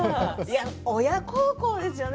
親孝行ですよね